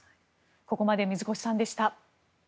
ここまで水越さんでした。